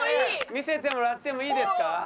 見せてもらってもいいですか？